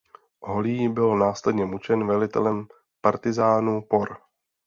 Holý byl následně mučen velitelem partyzánů por.